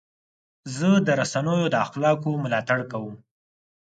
زه د رسنیو د اخلاقو ملاتړ کوم.